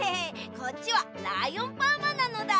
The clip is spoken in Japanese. こっちはライオンパーマなのだ。